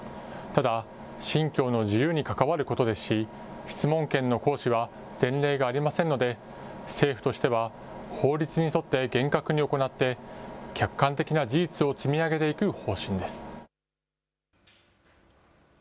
ただ、信教の自由に関わることですし、質問権の行使は前例がありませんので、政府としては法律に沿って厳格に行って、客観的な事実を積み上げていく方針です。